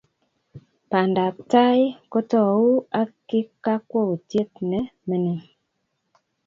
pandaptai ko tou ak kakwoutiet ne mining